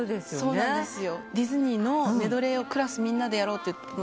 ディズニーのメドレーをクラスみんなでやろうって。